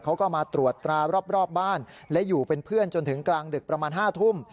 เขาก็มาตรวจตรารอบบ้านและอยู่เป็นเพื่อนจนถึงกลางดึกประมาณ๕ทุ่ม